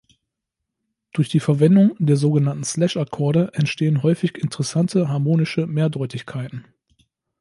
Durch Verwendung der sogenannten Slash-Akkorde entstehen häufig interessante harmonische Mehrdeutigkeiten.